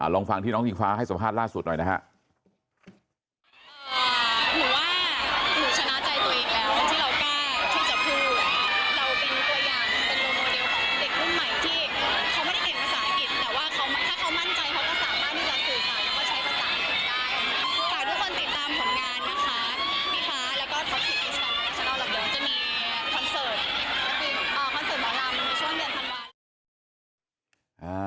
ลองฟังที่น้องอิงฟ้าให้สัมภาษณ์ล่าสุดหน่อยนะฮะ